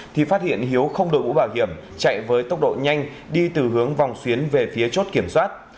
thì phát hiện hiếu không đội mũ bảo hiểm chạy với tốc độ nhanh đi từ hướng vòng xuyến về phía chốt kiểm soát